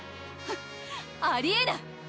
ハッありえない